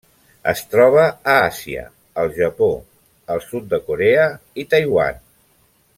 Es troba a Àsia: el Japó, el sud de Corea i Taiwan.